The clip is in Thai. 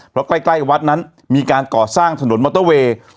เพราะใกล้วัดนั้นมีการก่อสร้างถนนมอเตอร์เวย์